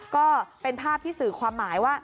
ก็เป็นภาพที่สื่อความหมายว่า